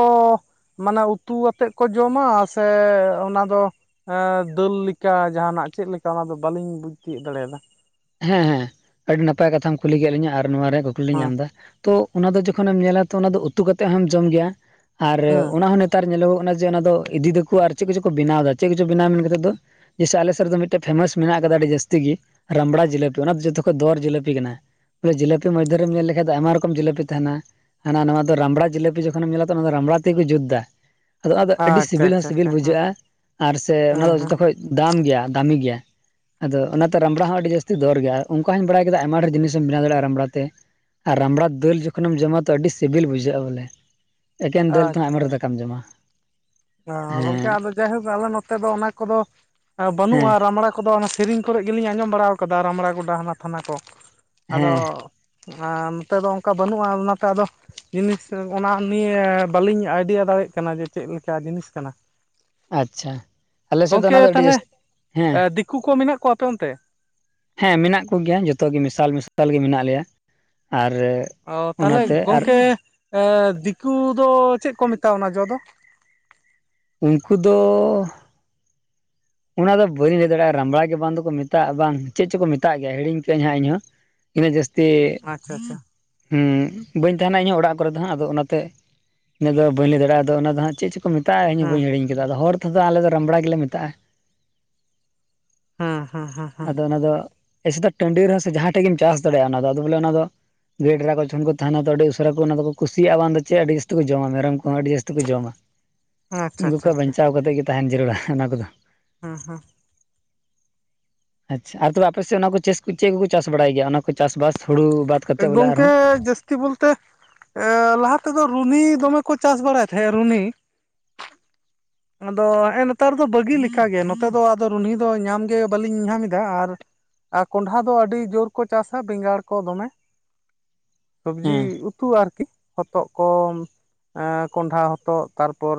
S1: ᱢᱟᱱᱮ ᱩᱛᱩ ᱟᱛᱮᱜ ᱠᱚ ᱡᱚᱢᱟ ᱥᱮ ᱚᱱᱟ ᱫᱚ ᱮᱸ ᱫᱟᱹᱞ ᱞᱮᱠᱟ ᱡᱟᱦᱟᱸᱱᱟᱜ ᱪᱮᱫ ᱞᱮᱠᱟ ᱚᱱᱟ ᱫᱚ ᱵᱟᱹᱞᱤᱧ ᱵᱩᱡᱽ ᱛᱤᱭᱳᱜ ᱫᱟᱲᱮᱭᱟᱫᱟ
S2: ᱦᱮᱸ ᱦᱮᱸ ᱟᱹᱰᱤ ᱱᱟᱯᱟᱭ ᱠᱟᱛᱷᱟᱢ ᱠᱩᱞᱤ ᱠᱮᱫ ᱞᱤᱧᱟ ᱟᱨ ᱱᱚᱣᱟ ᱨᱮᱭᱟᱜ ᱠᱩᱠᱞᱤ ᱞᱤᱧ
S1: ᱦᱮᱸ
S2: ᱮᱢ ᱫᱟ ᱛᱚ ᱚᱱᱟ ᱫᱚ ᱡᱚᱠᱷᱚᱱᱮᱢ ᱧᱮᱞᱟ ᱛᱚ ᱚᱱᱟ ᱩᱛᱩ ᱠᱟᱛᱮᱫ ᱦᱚᱸᱢ ᱡᱚᱢ ᱜᱮᱭᱟ ᱟᱨ
S1: ᱦᱮᱸ
S2: ᱚᱱᱟ ᱦᱚᱸ ᱱᱮᱛᱟᱨ ᱧᱮᱞᱚᱜᱚᱜ ᱠᱟᱱᱟ ᱡᱮ ᱚᱱᱟ ᱫᱚ ᱤᱫᱤ ᱫᱟᱠᱚ ᱟᱨ ᱪᱮᱫ ᱠᱚᱪᱚ ᱠᱚ ᱵᱮᱱᱟᱣ ᱫᱟ ᱪᱮᱫ ᱠᱚᱪᱚ ᱵᱮᱱᱟᱣ ᱢᱮᱱ ᱠᱟᱛᱮᱫ ᱫᱚ ᱡᱮᱭᱥᱮ ᱟᱞᱮ ᱥᱮᱫ ᱨᱮᱫᱚ ᱢᱤᱫᱴᱮᱡ ᱯᱷᱮᱢᱟᱥ ᱢᱮᱱᱟᱜ ᱟᱠᱟᱫᱟ ᱟᱹᱰᱤ ᱡᱟᱹᱥᱛᱤ ᱜᱤ ᱨᱟᱢᱵᱲᱟ ᱡᱤᱞᱟᱹᱯᱤ ᱚᱱᱟ ᱫᱚ ᱡᱚᱛᱚ ᱠᱷᱚᱡ ᱫᱚᱨ ᱡᱤᱞᱟᱹᱯᱤ ᱠᱟᱱᱟ ᱡᱤᱞᱟᱹᱯᱤ ᱢᱚᱫᱽᱫᱷᱮ ᱨᱮᱢ ᱧᱮᱞ ᱞᱮᱠᱷᱟᱡ ᱫᱚ ᱟᱭᱢᱟ ᱨᱚᱠᱚᱢ ᱡᱤᱞᱟᱹᱯᱤ ᱛᱟᱦᱮᱱᱟ ᱦᱟᱱᱟ ᱱᱚᱣᱟ ᱫᱚ ᱨᱟᱢᱲᱟ ᱡᱤᱞᱟᱹᱯᱤ ᱡᱚᱠᱷᱚᱱᱮᱢ ᱧᱮᱞᱟ ᱛᱚ ᱚᱱᱟ ᱫᱚ ᱨᱟᱢᱲᱟ ᱛᱮᱜᱮ ᱠᱩ ᱡᱩᱛᱫᱟ ᱟᱫᱚ ᱚᱱᱟ ᱫᱚ ᱟᱹᱰᱤ
S1: ᱟᱪᱪᱷᱟ
S2: ᱥᱤᱵᱤᱞ ᱦᱚᱸ
S1: ᱟᱪᱪᱷᱟ
S2: ᱥᱤᱵᱤᱞ
S1: ᱟᱪᱪᱷᱟ ᱦᱮᱸ
S2: ᱵᱩᱡᱷᱟᱹᱜ-ᱟ ᱟᱨ ᱥᱮ ᱚᱱᱟ ᱫᱚ
S1: ᱦᱮᱸ ᱦᱮᱸ
S2: ᱡᱚᱛᱚ ᱠᱷᱚᱡ ᱫᱟᱢ ᱜᱮᱭᱟ ᱫᱟᱢᱤ ᱜᱮᱭᱟ ᱟᱫᱚ ᱚᱱᱟ ᱛᱮ ᱨᱟᱢᱲᱟ ᱦᱚᱸ ᱟᱹᱰᱤ ᱡᱟᱹᱥᱛᱤ ᱫᱚᱨ ᱜᱮᱭᱟ ᱟᱨ ᱚᱱᱠᱟ ᱦᱚᱸᱧ ᱵᱟᱲᱟᱭ ᱠᱮᱫᱟ ᱟᱭᱢᱟ ᱰᱷᱤᱨ ᱡᱤᱱᱤᱥᱮᱢ ᱵᱮᱱᱟᱣ ᱫᱟᱲᱮᱭᱟᱜᱼᱟ ᱨᱟᱢᱲᱟ ᱛᱮ ᱟᱨ ᱨᱟᱢᱵᱲᱟ ᱫᱟᱹᱞ ᱡᱚᱠᱷᱚᱱᱮᱢ ᱡᱚᱢᱟ ᱛᱚ ᱟᱹᱰᱤ ᱥᱤᱵᱤᱞ ᱵᱩᱡᱷᱟᱹᱜᱼᱟ ᱵᱚᱞᱮ ᱮᱠᱮᱱ ᱫᱟᱹᱞ ᱛᱮᱦᱚᱸ
S1: ᱟᱪᱪᱷᱟ
S2: ᱟᱭᱢᱟ ᱰᱷᱮᱨ ᱫᱟᱠᱟᱢ ᱡᱚᱢᱟ
S1: ᱜᱚᱝᱠᱮ
S2: ᱦᱮᱸ
S1: ᱟᱫᱚ ᱡᱟᱭᱦᱳᱠ ᱟᱞᱮ ᱱᱚᱛᱮ ᱫᱚ ᱚᱱᱟ ᱠᱚᱫᱚ
S2: ᱦᱮᱸ
S1: ᱵᱟᱹᱱᱩᱜ-ᱟ ᱨᱟᱢᱲᱟ ᱠᱚᱫᱚ ᱚᱱᱟ ᱥᱤᱨᱤᱧ ᱠᱚᱨᱮᱜ ᱜᱤᱞᱤᱧ ᱟᱸᱡᱚᱢ ᱵᱟᱲᱟᱣ ᱠᱟᱫᱟ ᱨᱟᱢᱲᱟ ᱜᱚᱰᱟ ᱦᱟᱱᱟ ᱛᱷᱟᱱᱟ ᱠᱚ ᱟᱫᱚ
S2: ᱦᱮᱸ
S1: ᱟᱸ ᱱᱚᱛᱮ ᱫᱚ ᱚᱱᱠᱟ ᱵᱟᱹᱱᱩᱜᱼᱟ ᱚᱱᱟ ᱛᱮ ᱟᱫᱚ ᱡᱤᱱᱤᱥ ᱚᱱᱟ ᱱᱤᱭᱮ ᱵᱟᱹᱞᱤᱧ ᱟᱭᱰᱤᱭᱟ ᱫᱟᱲᱮᱭᱟᱜ ᱠᱟᱱᱟ ᱡᱮ ᱪᱮᱫ ᱞᱮᱠᱟ ᱡᱤᱱᱤᱥ ᱠᱟᱱᱟ
S2: ᱟᱪᱪᱷᱟ ᱟᱞᱮ ᱥᱮᱫ ᱫᱚ
S1: ᱜᱚᱝᱠᱮ
S2: ᱚᱱᱟ ᱫᱚ ᱟᱹᱰᱤ
S1: ᱛᱟᱦᱮᱞᱮ
S2: ᱡᱟᱹᱥᱛᱤ ᱦᱮᱸ
S1: ᱮ ᱫᱤᱠᱩ ᱠᱚ ᱢᱮᱱᱟᱜ ᱠᱚᱣᱟ ᱟᱯᱮ ᱚᱱᱛᱮ
S2: ᱦᱮᱸ ᱢᱮᱱᱟᱜ ᱠᱚᱜᱮᱭᱟ ᱡᱚᱛᱚ ᱜᱮ ᱢᱮᱥᱟᱞ ᱢᱮᱥᱟᱞ ᱜᱮ ᱢᱮᱱᱟᱜ ᱞᱮᱭᱟ ᱟᱨ
S1: ᱚ ᱛᱟᱦᱚᱞᱮ
S2: ᱚᱱᱟᱛᱮ ᱟᱨ
S1: ᱜᱚᱢᱠᱮ ᱮ ᱫᱤᱠᱩ ᱫᱚ ᱪᱮᱫ ᱠᱚ ᱢᱮᱛᱟᱜ ᱚᱱᱟ ᱡᱚ ᱫᱚ
S2: ᱩᱱᱠᱩ ᱫᱚ ᱚᱱᱟ ᱫᱚ ᱵᱟᱹᱧ ᱞᱟᱹᱭ ᱫᱟᱲᱮᱭᱟᱜᱼᱟ ᱨᱟᱢᱵᱲᱟ ᱜᱮ ᱵᱟᱝ ᱫᱚᱠᱚ ᱢᱮᱛᱟᱜᱼᱟ ᱵᱟᱝ ᱪᱮᱫ ᱪᱚ ᱠᱚ ᱢᱮᱛᱟᱜ ᱜᱮᱭᱟ ᱦᱤᱲᱤᱧ ᱠᱟᱜ ᱟᱸᱧ ᱦᱟᱸᱜ ᱤᱧᱦᱚᱸ ᱤᱱᱟᱹ ᱡᱟᱹᱥᱛᱤ
S1: ᱟᱪᱪᱷᱟ ᱟᱪᱪᱷᱟ
S2: ᱦᱩᱸ ᱵᱟᱹᱧ ᱛᱟᱦᱮᱱᱟ ᱤᱧᱦᱚ ᱚᱲᱟᱜ ᱠᱚᱨᱮ ᱫᱚ ᱦᱟᱸᱜ ᱟᱫᱚ ᱚᱱᱟᱛᱮ ᱤᱱᱟᱹ ᱫᱚ ᱵᱟᱹᱧ ᱞᱟᱹᱭ ᱫᱟᱲᱮᱼᱟ ᱟᱫᱚ ᱚᱱᱟ ᱪᱮᱫ ᱪᱚ ᱠᱚ ᱢᱮᱛᱟᱜᱼᱟ ᱤᱧ ᱵᱟᱹᱧ
S1: ᱦᱮᱸ
S2: ᱦᱤᱲᱤᱧ ᱠᱟᱫᱟ ᱟᱫᱚ ᱦᱚᱲ ᱛᱮᱫᱚ ᱟᱞᱮᱫᱚ ᱨᱟᱢᱲᱟ ᱜᱮᱞᱮ ᱢᱮᱛᱟᱜᱼᱟ
S1: ᱦᱟᱸ ᱦᱟᱸ ᱦᱟᱸ
S2: ᱟᱫᱚ ᱚᱱᱟ ᱫᱚ ᱮᱥᱮᱫᱟᱜ ᱴᱟᱺᱰᱤ ᱨᱮᱦᱚᱸ ᱥᱮ ᱡᱟᱦᱟᱸ ᱴᱷᱮᱡ ᱜᱮᱢ ᱪᱟᱥ ᱫᱟᱲᱮᱭᱟᱜᱼᱟ ᱚᱱᱟ ᱟᱫᱚ ᱵᱚᱞᱮ ᱚᱱᱟ ᱫᱚ ᱜᱟᱹᱭ ᱰᱮᱨᱟ ᱠᱚ ᱡᱚᱠᱷᱚᱱ ᱠᱚ ᱛᱟᱦᱮᱸᱱᱟ ᱛᱚ ᱟᱹᱰᱤ ᱩᱥᱟᱹᱨᱟ ᱠᱚ ᱚᱱᱟ ᱫᱚᱠᱚ ᱠᱩᱥᱤᱭᱟᱜᱼᱟ ᱵᱟᱝᱫᱚ ᱪᱮᱫ ᱟᱹᱰᱤ ᱡᱟᱹᱥᱛᱤ ᱠᱚ ᱡᱚᱢᱟ ᱢᱮᱨᱚᱢ ᱠᱚᱦᱚᱸ ᱟᱹᱰᱤ ᱡᱟᱹᱥᱛᱤ ᱠᱚ ᱡᱚᱢᱟ
S1: [inaudible]
S2: ᱩᱱᱠᱩ
S1: ᱟᱪᱪᱷᱟ
S2: ᱠᱚᱡ
S1: ᱟᱪᱪᱷᱟ
S2: ᱵᱟᱧᱪᱟᱣ ᱠᱟᱛᱮᱫ ᱜᱮ ᱛᱟᱦᱮᱱ ᱡᱟᱹᱨᱩᱲᱟ ᱚᱱᱟ ᱠᱚᱫᱚ
S1: ᱦᱮᱸ ᱦᱮᱸ
S2: ᱟᱪᱪᱷᱟ ᱟᱨ ᱛᱚᱵᱮ ᱟᱯᱮᱥᱮᱫ ᱚᱱᱟ ᱠᱚ ᱪᱮᱫ ᱠᱚᱠᱚ ᱪᱟᱥ ᱵᱟᱲᱟᱭ ᱜᱮᱭᱟ ᱚᱱᱟ ᱠᱚ ᱪᱟᱥᱵᱟᱥ ᱦᱩᱲᱩ ᱵᱟ
S1: ᱜᱚᱝᱠᱮ ᱡᱟᱹᱥ ᱛᱤ ᱵᱚᱞᱛᱮ ᱮ ᱞᱟᱦᱟ ᱛᱮᱫᱚ ᱨᱩᱱᱦᱤ ᱫᱚᱢᱮ ᱠᱚ ᱪᱟᱥ ᱵᱟᱲᱟᱭ ᱛᱟᱦᱮᱸᱜᱼᱟ ᱨᱩᱱᱦᱤ ᱟᱫᱚ ᱦᱮᱸ ᱱᱮᱛᱟᱨ ᱫᱚ ᱵᱟᱹᱜᱤ ᱞᱮᱠᱟ ᱜᱮ ᱱᱚᱛᱮ ᱫᱚ ᱟᱫᱚ ᱨᱩᱱᱦᱤ ᱫᱚ ᱧᱟᱢ ᱜᱮ ᱵᱟᱹᱞᱤᱧ ᱧᱟᱢ ᱮᱫᱟ ᱟᱨ ᱟᱨ ᱠᱚᱸᱰᱷᱟ ᱫᱚ ᱟᱹᱰᱤ ᱡᱳᱨ ᱠᱚ ᱪᱟᱥᱟ ᱵᱮᱸᱜᱟᱲ ᱠᱚ ᱫᱚᱢᱮ ᱥᱚᱵᱽᱡᱤ
S2: ᱦᱮᱸ
S1: ᱩ ᱩᱛᱩ ᱟᱨᱠᱤ ᱦᱚᱛᱚᱫ ᱠᱚ ᱠᱚᱸᱰᱷᱟ ᱦᱚᱛᱚᱫ ᱛᱟᱨᱯᱚᱨ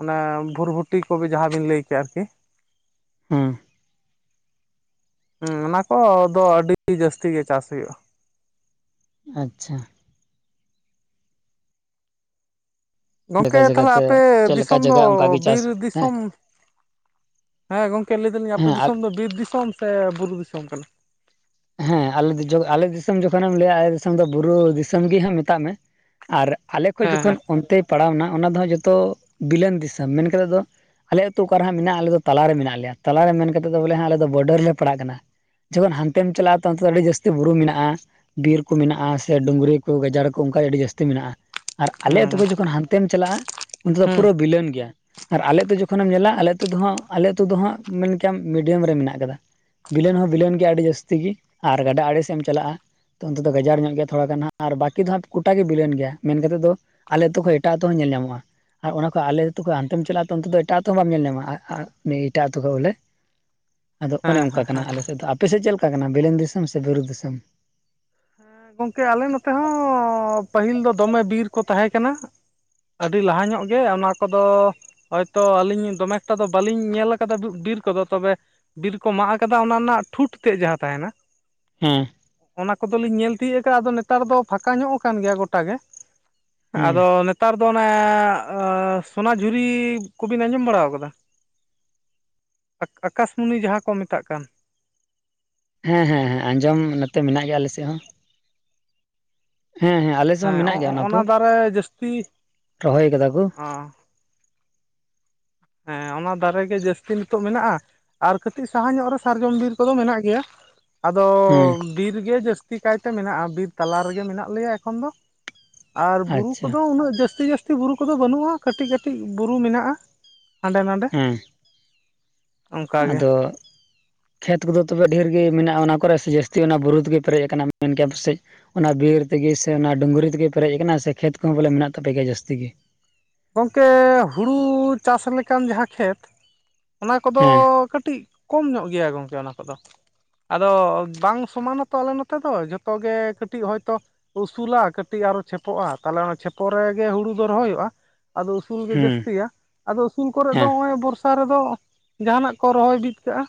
S1: ᱚᱱᱮ ᱵᱷᱩᱨᱵᱷᱩᱴᱤ ᱠᱚ ᱡᱟᱦᱟᱸ ᱵᱤᱱ ᱞᱟᱹᱭ ᱠᱮᱫᱮᱜᱼᱟ ᱟᱨᱠᱤ
S2: ᱦᱩᱸ
S1: ᱦᱩᱸ ᱚᱱᱟ ᱠᱚᱫᱚ ᱟᱹᱰᱤ ᱡᱟᱹᱥᱛᱤ ᱜᱮ ᱪᱟᱥ ᱦᱩᱭᱩᱜᱼᱟ
S2: ᱟᱪᱪᱷᱟ
S1: ᱜᱚᱢᱠᱮ
S2: ᱡᱟᱭᱜᱟ
S1: ᱛᱟᱦᱚᱞᱮ
S2: ᱡᱟᱭᱜᱟᱛᱮ
S1: ᱟᱯᱮ
S2: ᱪᱮᱫ ᱞᱮᱠᱟ
S1: ᱫᱤᱥᱚᱢ ᱫᱚ
S2: ᱡᱟᱭᱜᱟ ᱚᱱᱠᱟᱜᱮ ᱪᱟᱥ
S1: ᱵᱤᱨ
S2: ᱦᱮᱸ
S1: ᱫᱤᱥᱚᱢ ᱦᱮᱸ ᱜᱚᱝᱠᱮ ᱞᱟᱹᱭ ᱫᱟᱞᱤᱧ ᱟᱯᱮ
S2: ᱦᱮᱸ
S1: ᱫᱤᱥᱚᱢ ᱫᱚ ᱵᱤᱨ ᱫᱤᱥᱚᱢ ᱥᱮ ᱵᱩᱨᱩ ᱫᱤᱥᱚᱢ ᱠᱟᱱᱟ
S2: ᱦᱮᱸ ᱟᱞᱮ ᱟᱞᱮ ᱫᱤᱥᱚᱢ ᱡᱚᱠᱷᱚᱱᱮᱢ ᱞᱟᱹᱭᱟ ᱟᱞᱮ ᱫᱤᱥᱚᱢ ᱫᱚ ᱵᱩᱨᱩ ᱫᱤᱥᱚᱢ ᱜᱮ ᱦᱟᱸᱜ ᱢᱮᱛᱟᱜ ᱢᱮ ᱟᱨ ᱟᱞᱮ ᱠᱷᱚᱡ
S1: ᱦᱮᱸ ᱦᱮᱸ
S2: ᱡᱚᱠᱷᱚᱱ ᱚᱱᱛᱮ ᱯᱟᱲᱟᱣᱱᱟ ᱚᱱᱟ ᱫᱚ ᱡᱚᱛᱚ ᱵᱤᱞᱟᱹᱱ ᱫᱤᱥᱚᱢ ᱢᱮᱱ ᱠᱟᱛᱷᱟ ᱫᱚ ᱟᱞᱮ ᱟᱹᱛᱩ ᱚᱠᱟᱨᱮ ᱦᱟᱸᱜ ᱢᱮᱱᱟᱜᱼᱟ ᱟᱞᱮ ᱫᱚ ᱛᱟᱞᱟᱨᱮ ᱢᱮᱱᱟᱜ ᱞᱮᱭᱟ ᱛᱟᱞᱟᱨᱮ ᱢᱮᱱ ᱠᱟᱛᱮ ᱫᱚ ᱵᱚᱞᱮ ᱟᱞᱮ ᱫᱚ ᱵᱚᱰᱟᱨ ᱨᱮᱞᱮ ᱯᱟᱲᱟᱜ ᱠᱟᱱᱟ ᱡᱚᱠᱷᱚᱱ ᱦᱟᱱᱛᱮᱢ ᱪᱟᱞᱟᱜᱼᱟ ᱛᱚ ᱚᱱᱛᱮ ᱫᱚ ᱟᱹᱰᱤ ᱡᱟᱹᱥᱛᱤ ᱵᱩᱨᱩ ᱢᱮᱱᱟᱜᱼᱟ ᱵᱤᱨ ᱠᱚ ᱢᱮᱱᱟᱜᱼᱟ ᱥᱮ ᱰᱩᱝᱨᱤ ᱠᱚ ᱜᱟᱡᱟᱲ ᱠᱚ ᱚᱱᱠᱟ ᱜᱮ ᱟᱹᱰᱤ ᱡᱟᱹᱥᱛᱤ ᱢᱮᱱᱟᱜᱼᱟ ᱟᱨ ᱟᱞᱮ ᱟᱹᱛᱩ
S1: ᱦᱮᱸ
S2: ᱠᱷᱚᱱ ᱡᱚᱠᱷᱚᱱ ᱦᱟᱱᱛᱮᱢ ᱪᱟᱞᱟᱜᱼᱟ ᱩᱱᱛᱮ ᱫᱚ
S1: ᱦᱮᱸ
S2: ᱯᱩᱨᱟᱹ ᱵᱤᱞᱟᱹᱱ ᱜᱮᱭᱟ ᱟᱨ ᱟᱞᱮ ᱟᱹᱛᱩ ᱡᱚᱠᱷᱚᱱᱮᱢ ᱧᱮᱞᱟ ᱟᱞᱮ ᱟᱞᱮ ᱟᱹᱛᱩ ᱫᱚᱦᱟᱸᱜ ᱢᱮᱱ ᱠᱮᱭᱟᱢ ᱢᱤᱰᱤᱭᱟᱢ ᱨᱮ ᱢᱮᱱᱟᱜ ᱟᱠᱟᱫᱟ ᱵᱤᱞᱟᱹᱱ ᱦᱚᱸ ᱵᱤᱞᱚᱱ ᱜᱮᱭᱟ ᱟᱹᱰᱤ ᱡᱟᱹᱥᱛᱤ ᱜᱮ ᱟᱨ ᱜᱟᱰᱟ ᱟᱲᱮᱥᱮᱫ ᱮᱢ ᱪᱟᱞᱟᱜᱼᱟ ᱛᱚ ᱚᱱᱛᱮ ᱫᱚ ᱜᱟᱡᱟᱲ ᱧᱚᱜ ᱜᱮᱭᱟ ᱛᱷᱚᱲᱟ ᱜᱟᱱ ᱦᱟᱸᱜ ᱟᱨ ᱵᱟᱠᱤ ᱫᱚ ᱦᱟᱸᱜ ᱜᱚᱴᱟ ᱜᱮ ᱵᱤᱞᱚᱱ ᱜᱮᱭᱟ ᱢᱮᱱᱛᱮᱫ ᱫᱚ ᱟᱞᱮ ᱟᱹᱛᱩ ᱠᱷᱚᱱ ᱮᱴᱟᱜ ᱟᱹᱛᱩ ᱦᱚᱸ ᱧᱮᱞ ᱧᱟᱢᱚᱜᱼᱟ ᱟᱨ ᱚᱱᱟ ᱠᱷᱚᱡ ᱟᱞᱮ ᱟᱹᱛᱩ ᱠᱷᱚᱡ ᱦᱟᱱᱛᱮᱢ ᱪᱟᱞᱟᱜᱼᱟ ᱚᱱᱛᱮ ᱫᱚ ᱮᱴᱟᱜ ᱟᱹᱛᱳ ᱦᱚᱸ ᱵᱟᱢ ᱧᱮᱞ ᱧᱟᱢᱟ ᱮᱴᱟᱜ ᱟᱹᱛᱳ ᱠᱷᱚᱡ ᱵᱚᱞᱮ
S1: [inaudible]
S2: ᱟᱫᱚ ᱚᱱᱮ ᱚᱱᱠᱟ
S1: ᱦᱮᱸ
S2: ᱠᱟᱱᱟ
S1: ᱦᱮᱸ
S2: ᱟᱞᱮ ᱥᱮᱫ ᱫᱚ ᱟᱯᱮᱥᱮᱫ ᱪᱮᱫ ᱞᱮᱠᱟ ᱠᱟᱱᱟ ᱵᱮᱞᱮᱱ ᱫᱤᱥᱚᱢ ᱥᱮ ᱵᱩᱨᱩ ᱫᱤᱥᱚᱢ
S1: ᱜᱚᱝᱠᱮ ᱟᱞᱮ ᱱᱚᱛᱮ ᱦᱚᱸ ᱯᱟᱹᱦᱤᱞ ᱫᱚ ᱫᱚᱢᱮ ᱵᱤᱨ ᱠᱚ ᱛᱟᱦᱮᱸ ᱠᱟᱱᱟ ᱟᱹᱰᱤ ᱞᱟᱦᱟ ᱧᱚᱜ ᱜᱮ ᱚᱱᱟ ᱠᱚᱫᱚ ᱦᱳᱭ ᱛᱚ ᱟᱹᱞᱤᱧ ᱫᱚᱢᱮ ᱮᱠᱴᱟ ᱫᱚ ᱵᱟᱹᱞᱤᱧ ᱧᱮᱞ ᱠᱟᱫᱟ ᱵᱤᱨ ᱠᱚᱫᱚ ᱛᱚᱵᱮ ᱵᱤᱨ ᱠᱚ ᱢᱟᱜ ᱟᱠᱟᱫᱟ ᱚᱱᱟ ᱨᱮᱱᱟᱜ ᱴᱷᱩᱸᱴ ᱛᱮᱫ ᱡᱟᱦᱟᱸ ᱛᱟᱦᱮᱱᱟ
S2: ᱦᱩᱸ
S1: ᱠᱚᱫᱚ ᱞᱤᱧ ᱧᱮᱞ ᱛᱤᱭᱳ ᱟᱠᱟᱫᱟ ᱟᱫᱚ ᱱᱮᱛᱟᱨ ᱫᱚ ᱯᱷᱟᱸᱠᱟ ᱧᱚᱜ ᱟᱠᱟᱱ ᱜᱮᱭᱟ ᱜᱚᱴᱟ ᱜᱮ
S2: ᱦᱮᱸ
S1: ᱟᱫᱚ ᱱᱮᱛᱟᱨ ᱫᱚ ᱚᱱᱮ ᱥᱚᱱᱟᱡᱷᱩᱨᱤ ᱠᱚᱵᱤᱱ ᱟᱸᱡᱚᱢ ᱵᱟᱲᱟ ᱟᱠᱟᱫᱟ ᱟᱠᱟᱥᱢᱩᱱᱤ ᱡᱟᱦᱟᱸ ᱠᱚ ᱢᱮᱛᱟᱜ ᱠᱟᱱ
S2: ᱦᱮᱸ ᱦᱮᱸ ᱦᱮᱸ ᱟᱸᱡᱚᱢ ᱱᱚᱛᱮ ᱢᱮᱱᱟᱜ ᱜᱮᱭᱟ ᱟᱞᱮᱥᱮᱫ ᱦᱚᱸ ᱦᱮᱸ ᱦᱮᱸ ᱟᱞᱮᱥᱮᱫ ᱦᱚᱸ ᱢᱮᱱᱟᱜ ᱜᱮᱭᱟ ᱚᱱᱟ ᱠᱚ ᱨᱚᱦᱚᱭ ᱟᱠᱟᱫᱟ ᱠᱚ
S1: ᱚ ᱦᱮᱸ ᱚᱱᱟ ᱫᱟᱨᱮ ᱜᱮ ᱡᱟᱹᱥᱛᱤ ᱱᱤᱛᱚᱜ ᱢᱮᱱᱟᱜᱼᱟ ᱟᱨ ᱠᱟᱹᱴᱤᱡ ᱥᱟᱦᱟ ᱧᱚᱜ ᱨᱮ ᱥᱟᱨᱡᱚᱢ ᱵᱤᱨ ᱠᱚᱫᱚ ᱢᱮᱱᱟᱜ ᱜᱮᱭᱟ ᱟᱫᱚ
S2: ᱦᱩᱸ
S1: ᱵᱤᱨ ᱜᱮ ᱡᱟᱹᱥᱛᱤ ᱠᱟᱭᱛᱮ ᱢᱮᱱᱟᱜᱼᱟ ᱵᱤᱨ ᱛᱟᱞᱟ ᱨᱮᱜᱮ ᱢᱮᱱᱟᱜ ᱞᱮᱭᱟ ᱮᱠᱷᱚᱱ ᱫᱚ ᱟᱨ ᱵᱩᱨᱩ
S2: ᱟᱪᱪᱷᱟ
S1: ᱠᱚᱫᱚ ᱩᱱᱟᱹᱜ ᱡᱟᱹᱥᱛᱤ ᱡᱟᱹᱥᱛᱤ ᱵᱩᱨᱩ ᱠᱚᱫᱚ ᱵᱟᱹᱱᱩᱜᱼᱟ ᱠᱟᱹᱴᱤᱡ ᱠᱟᱹᱴᱤᱡ ᱵᱩᱨᱩ ᱢᱮᱱᱟᱜᱼᱟ ᱦᱟᱸᱰᱮ ᱱᱟᱰᱮ
S2: ᱦᱮᱸ
S1: ᱚᱱᱠᱟᱜᱮ
S2: ᱟᱫᱚ ᱠᱷᱮᱛ ᱠᱚᱫᱚ ᱛᱚᱵᱮ ᱰᱷᱮᱨ ᱜᱮ ᱢᱮᱱᱟᱜᱼᱟ ᱚᱱᱟ ᱠᱚᱨᱮ ᱥᱮ ᱡᱟᱹᱥᱛᱤ ᱚᱱᱟ ᱵᱩᱨᱩ ᱛᱮᱜᱮ ᱯᱮᱨᱮᱡ ᱟᱠᱟᱱᱟ ᱢᱮᱱ ᱠᱮ ᱯᱮᱥᱮ ᱚᱱᱟ ᱵᱤᱨ ᱛᱮᱜᱮ ᱥᱮ ᱚᱱᱟ ᱰᱩᱝᱨᱤ ᱛᱮᱜᱮ ᱯᱮᱨᱮᱡ ᱟᱠᱟᱱᱟ ᱥᱮ ᱠᱷᱮᱛ ᱠᱚᱦᱚᱸ ᱵᱚᱞᱮ ᱢᱮᱱᱟᱜ ᱛᱟᱯᱮ ᱜᱮᱭᱟ ᱡᱟᱹᱥᱛᱤ ᱜᱮ?
S1: ᱜᱚᱝᱠᱮ ᱦᱩᱲᱩ ᱪᱟᱥ ᱞᱮᱠᱟᱱ ᱡᱟᱦᱟᱸ ᱠᱷᱮᱛ ᱚᱱᱟ ᱠᱚᱫᱚ
S2: ᱦᱮᱸ
S1: ᱠᱟᱹᱴᱤᱡ ᱠᱚᱢ ᱧᱚᱜ ᱜᱮᱭᱟ ᱜᱚᱢᱠᱮ ᱚᱱᱟ ᱠᱚᱫᱚ᱾ ᱟᱫᱚ ᱵᱟᱝ ᱥᱚᱢᱟᱱᱟᱛᱚ ᱟᱞᱮ ᱱᱚᱛᱮ ᱫᱚ ᱡᱚᱛᱚ ᱜᱮ ᱠᱟᱹᱴᱤᱡ ᱦᱚᱭᱛᱚ ᱩᱥᱩᱞᱟ ᱠᱟᱹᱴᱤᱡ ᱟᱨᱚ ᱪᱷᱮᱯᱚᱜᱼᱟ ᱛᱟᱦᱞᱮ ᱚᱱᱟ ᱪᱷᱮᱯᱚ ᱨᱮᱜᱮ ᱦᱩᱲᱩ ᱫᱚ ᱨᱚᱦᱚᱭᱚᱜᱼᱟ᱾ ᱟᱫᱚ ᱩᱥᱩᱞ ᱜᱮ
S2: ᱦᱩᱸ
S1: ᱡᱟᱹᱥᱛᱤᱭᱟ ᱟᱫᱚ ᱩᱥᱩᱞ ᱠᱚᱨᱮᱫ ᱫᱚ
S2: ᱦᱮᱸ
S1: ᱦᱚᱸᱜᱼᱚᱭ ᱵᱚᱨᱥ ᱥᱟ ᱨᱮᱫᱚ ᱡᱟᱦᱟᱱᱟᱜ ᱠᱚ ᱨᱚᱦᱚᱭ ᱵᱤᱫ ᱠᱟᱜᱼᱟ᱾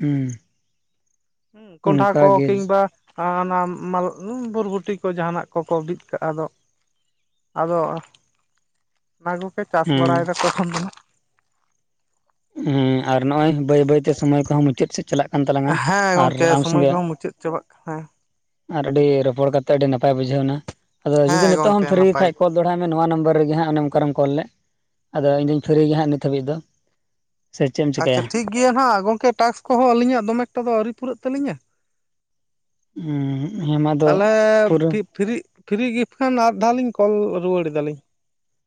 S2: ᱦᱩᱸ
S1: ᱦᱩᱸ ᱠᱚᱸᱱᱰᱦᱟ
S2: ᱚᱱᱠᱟ
S1: ᱠᱚ
S2: ᱜᱮ
S1: ᱠᱤᱝᱵᱟ ᱟᱨ ᱚᱱᱟᱢᱟᱞ ᱵᱩᱨᱵᱩᱴᱤ ᱠᱚ ᱡᱟᱦᱟᱱᱟᱜ ᱠᱚᱠᱚ ᱵᱤᱫ ᱠᱟᱜᱼᱟ ᱫᱚ᱾ ᱟᱫᱚ ᱚᱱᱟ ᱠᱚᱯᱮ ᱪᱟᱥ
S2: ᱦᱮᱸ
S1: ᱵᱟᱲᱟᱭᱮᱫᱟ ᱛᱚᱠᱷᱚᱱ ᱫᱚ ᱦᱟᱸᱜ᱾
S2: ᱦᱮᱸ ᱟᱨ ᱱᱚᱜᱼᱚᱭ ᱵᱟᱹᱭ ᱵᱟᱹᱭᱛᱮ ᱥᱚᱢᱚᱭ ᱠᱚᱦᱚᱸ ᱢᱩᱪᱟᱹᱫ ᱥᱮᱫ ᱪᱟᱞᱟᱜ ᱠᱟᱱ ᱛᱟᱞᱟᱝᱟ
S1: ᱦᱟᱸᱜ ᱦᱮᱸ
S2: ᱟᱨ
S1: ᱜᱚᱝᱠᱮ
S2: ᱟᱢ
S1: ᱥᱚᱢᱚᱭ
S2: ᱥᱚᱸᱜᱮ
S1: ᱠᱚᱦᱚᱸ ᱢᱩᱪᱟᱹᱫ ᱪᱟᱵᱟᱜ ᱠᱟᱱᱟ
S2: ᱟᱨ ᱟᱹᱰᱤ ᱨᱚᱯᱚᱲ ᱠᱟᱛᱮᱜ ᱟᱹᱰᱤ ᱱᱟᱯᱟᱭ ᱵᱩᱡᱷᱟᱹᱣᱱᱟ ᱟᱫᱚ ᱡᱩᱫᱤ
S1: ᱦᱮᱸ
S2: ᱱᱤᱛᱚᱜ ᱦᱚᱢ
S1: ᱜᱚᱝᱠᱮ
S2: ᱯᱷᱤᱨᱤ ᱜᱮ
S1: ᱱᱟᱯᱟᱭ
S2: ᱠᱷᱟᱡ ᱠᱚᱞ ᱫᱚᱦᱲᱟᱭ ᱢᱮ ᱱᱚᱣᱟ ᱱᱟᱢᱵᱟᱨ ᱨᱮᱜᱮ ᱦᱟᱸᱜ ᱚᱱᱮ ᱚᱠᱟᱨᱮᱢ ᱠᱚᱞ ᱞᱮᱫ ᱟᱫᱚ ᱤᱧᱫᱚᱧ ᱯᱷᱤᱨᱤ ᱜᱮ ᱦᱟᱸᱜ ᱱᱤᱛ ᱫᱚ ᱦᱟᱹᱵᱤᱡ ᱫᱚ᱾ ᱥᱮ ᱪᱮᱫ ᱮᱢ
S1: ᱟᱪᱪᱷᱟ
S2: ᱪᱤᱠᱟᱹᱭᱟ
S1: ᱴᱷᱤᱠ ᱜᱮᱭᱟ ᱦᱟᱸᱜ ᱜᱚᱝᱠᱮ ᱴᱟᱥᱠ ᱠᱚᱦᱚᱸ ᱟᱹᱞᱤᱧᱟᱜ ᱫᱚᱢᱮ ᱮᱠᱴᱟ ᱫᱚ ᱟᱹᱣᱨᱤ ᱯᱩᱨᱟᱹᱜ ᱛᱟᱹᱞᱤᱧᱟ᱾
S2: ᱦᱮᱸ ᱢᱟ ᱟᱫᱚ
S1: ᱛᱟᱦᱞᱮ
S2: ᱯᱩᱨᱟᱹ
S1: ᱯᱷᱤᱜ ᱯᱷᱤᱨᱤᱜ ᱯᱷᱨᱤ ᱜᱤᱯᱷ ᱠᱷᱟᱱ ᱟᱨᱫᱷᱟᱣ ᱞᱤᱧ ᱠᱚᱞ ᱨᱩᱣᱟᱹᱲ ᱮᱫᱟᱞᱤᱧ᱾